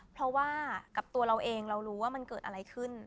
เพราะว่ากับตัวเราเองเรารู้ว่ามันเกิดอะไรขึ้น